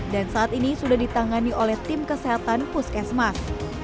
dan saat ini sudah ditangani oleh tim kesehatan puskesmas